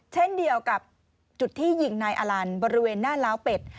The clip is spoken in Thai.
เช่นเดียวกับจุดที่ยิงนายอลันบริเวณหน้าล้าวเป็ด